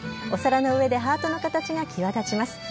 お皿の上でハートの形が際立ちます。